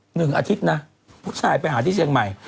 หนึ่งอาทิตย์นะผู้ชายไปหาที่เชียงใหม่